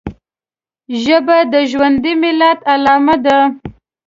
ژبه د ژوندي ملت علامه ده